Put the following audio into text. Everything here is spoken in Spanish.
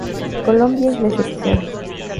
Colombia no es la excepción.